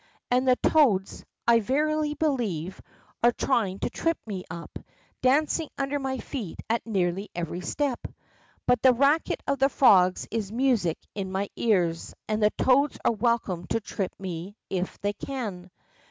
And the toads, I verily believe, are trying to trip me up, dancing under my feet at nearly every step. But the racket of the frogs is music in my ears, and the toads are welcome to trip me if they can.